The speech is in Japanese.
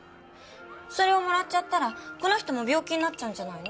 それをもらっちゃったらこの人も病気になっちゃうんじゃないの？